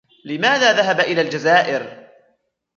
لماذا ذهب إلى الجزائر؟